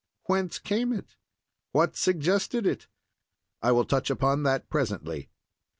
Whence came it? What suggested it? I will touch upon that presently.